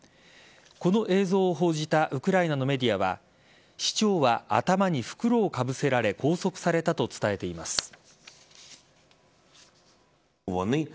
この映像を報じたウクライナのメディアは市長は頭に袋をかぶせられ拘束されたと伝えています。